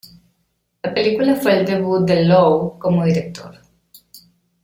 La película fue el debut de Lowe como director.